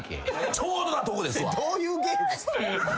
ちょうどなとこですわ。